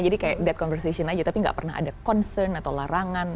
jadi kayak that conversation aja tapi gak pernah ada concern atau larangan